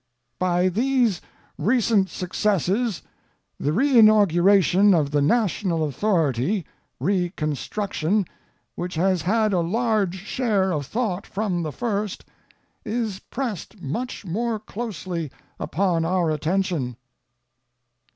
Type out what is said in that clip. By these recent successes the re inauguration of the national authority reconstruction which has had a large share of thought from the first, is pressed much more closely upon our attention.